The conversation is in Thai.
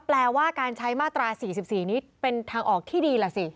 แปลว่าการใช้มาตรา๔๔นี้เป็นทางออกที่ดีล่ะสิ